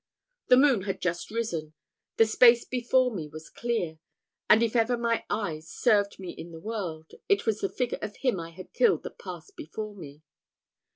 The moon had just risen the space before me was clear; and if ever my eyes served me in the world, it was the figure of him I had killed that passed before me.